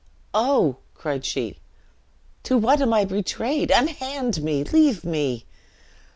"Oh!" cried she, "to what am I betrayed? Unhand me! Leave me!"